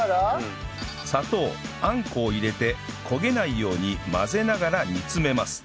砂糖あんこを入れて焦げないように混ぜながら煮詰めます